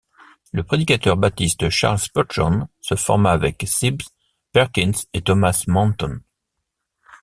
Le prédicateur baptiste Charles Spurgeon se forma avec Sibbes, Perkins et Thomas Manton.